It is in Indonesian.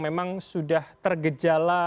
memang sudah tergejala